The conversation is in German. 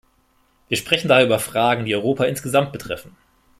Wir sprechen daher über Fragen, die Europa insgesamt betreffen.